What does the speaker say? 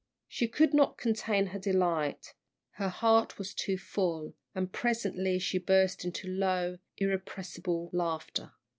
She could not contain her delight. Her heart was too full, and presently she burst into low, irrepressible laughter.